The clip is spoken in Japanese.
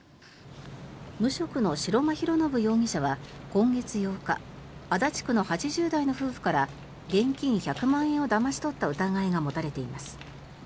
無職の白間広宣容疑者は今月８日足立区の８０代の夫婦から現金１００万円をだまし取った疑いが持たれています。